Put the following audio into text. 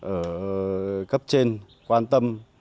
ở cấp trên quan tâm